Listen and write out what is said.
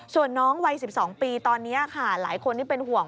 ส่วนน้องวัย๑๒ปีตอนนี้ค่ะหลายคนที่เป็นห่วง